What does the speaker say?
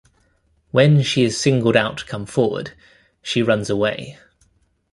When she is singled out to come forward, she runs away.